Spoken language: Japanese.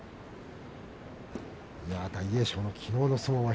大栄翔のきのうの相撲は？